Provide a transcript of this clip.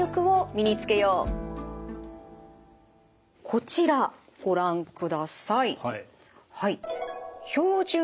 こちらご覧ください。